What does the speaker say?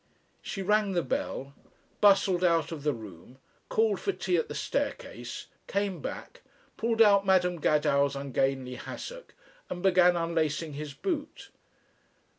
She rang the bell, bustled out of the room, called for tea at the staircase, came back, pulled out Madam Gadow's ungainly hassock and began unlacing his boot.